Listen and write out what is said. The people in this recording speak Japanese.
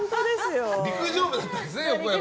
陸上部だったんですね、横山さん。